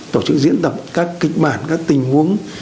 tổ chức diễn tập các kịch bản các tình huống